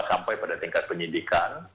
sampai pada tingkat penyelidikan